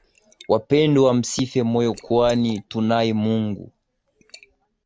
Wapendwa msife moyo kwani tunaye Mungu.